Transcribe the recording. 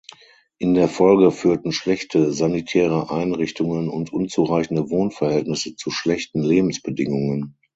In der Folge führten schlechte sanitäre Einrichtungen und unzureichende Wohnverhältnisse zu schlechten Lebensbedingungen.